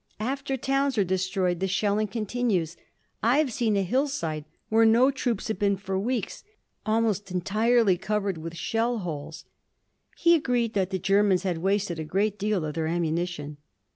After towns are destroyed the shelling continues. I have seen a hillside where no troops had been for weeks, almost entirely covered with shell holes." He agreed that the Germans had wasted a great deal of their ammunition.